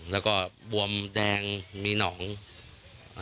แล้วก็บวมแดงมีหนองอ่า